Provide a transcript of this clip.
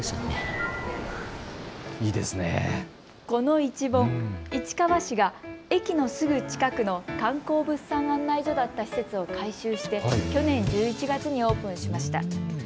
この市本、市川市が駅のすぐ近くの観光物産案内所だった施設を改修して去年１１月にオープンしました。